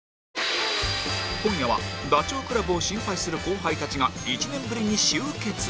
今夜はダチョウ倶楽部を心配する後輩たちが１年ぶりに集結